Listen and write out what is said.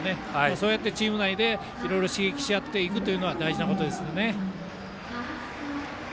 そうやってチーム内でいろいろ刺激し合っていくのは大事なことですよね。